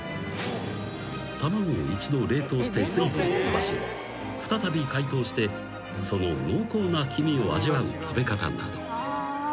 ［卵を一度冷凍して水分を飛ばし再び解凍してその濃厚な黄身を味わう食べ方など］